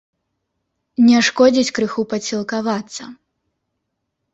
Не шкодзіць крыху падсілкавацца.